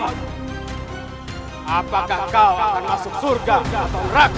tapi kau tidak bisa mengetahui